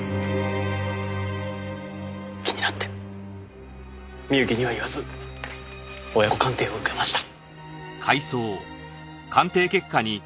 気になって深雪には言わず親子鑑定を受けました。